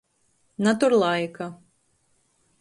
Natur laika.